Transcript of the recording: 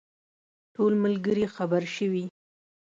ټول ملګري خبر شوي.